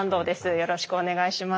よろしくお願いします。